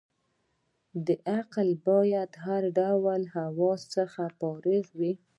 دا عقل باید له هر ډول هوس څخه فارغ وي.